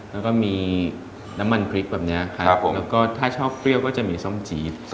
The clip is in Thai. แล้วก็มีน้ำมันพริกแบบนี้ครับผมแล้วก็ถ้าชอบเปรี้ยวก็จะมีส้มจี๊ด